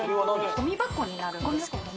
ごみ箱になるんですけども。